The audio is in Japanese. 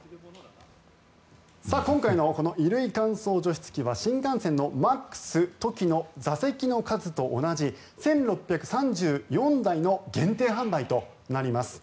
今回のこの衣類乾燥除湿機は新幹線のＭａｘときの座席の数と同じ１６３４台の限定販売となります。